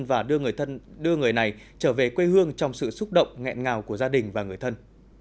và đưa người này trở về quê hương trong sự xúc động ngẹn ngào của gia đình và người thân